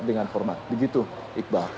dengan hormat begitu iqbal